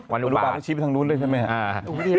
วันอุบาตชิบทางนู้นเลยใช่ไหม